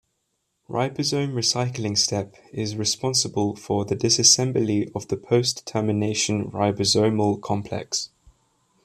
Ribosome recycling step is responsible for the disassembly of the post-termination ribosomal complex.